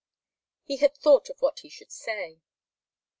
He had thought of what he should say.